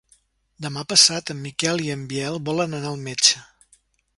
Demà passat en Miquel i en Biel volen anar al metge.